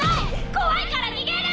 怖いから逃げる！